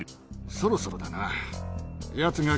そろそろだな。